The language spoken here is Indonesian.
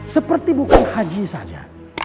seperti bukan haji saja